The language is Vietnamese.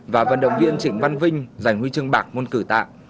và vận động viên trịnh văn vinh giành huy chương bạc môn cử tạ